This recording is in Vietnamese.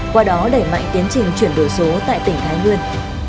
qua đó đẩy mạnh tiến trình chuyển đổi số tại tỉnh thái nguyên